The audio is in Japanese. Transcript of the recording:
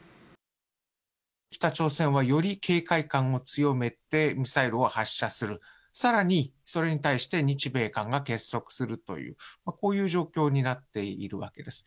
北朝鮮はより警戒感を強めて、ミサイルを発射する、さらにそれに対して日米韓が結束するという、こういう状況になっているわけです。